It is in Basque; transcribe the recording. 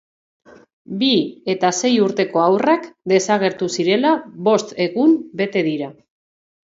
Bi eta sei urteko haurrak desagertu zirela bost egun bete dira.